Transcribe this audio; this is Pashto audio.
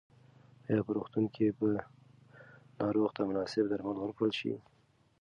ایا په روغتون کې به ناروغ ته مناسب درمل ورکړل شي؟